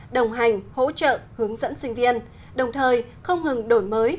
đồng hành hỗ trợ hướng dẫn sinh viên đồng thời không ngừng đổi mới